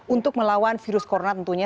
untuk melawan virus corona tentunya